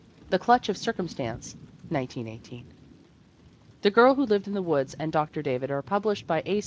The Clutch of Circumstance, 1918. The Girl Who Lived in the Woods and Dr. David are published by A.